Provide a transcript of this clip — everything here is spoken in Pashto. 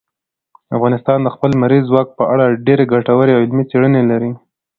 افغانستان د خپل لمریز ځواک په اړه ډېرې ګټورې او علمي څېړنې لري.